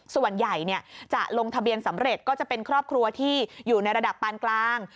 ส่วนใหญ่จะลงทะเบียนสำเร็จก็จะเป็นครอบครัวที่อยู่ในระดับปานกลาง